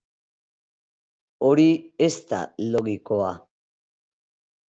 Hori ez da logikoa.